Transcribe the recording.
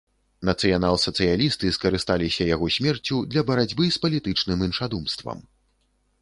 Нацыянал-сацыялісты скарысталіся яго смерцю для барацьбы з палітычным іншадумствам.